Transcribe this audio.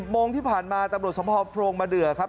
โมงที่ผ่านมาตำรวจสมภาพโพรงมาเดือครับ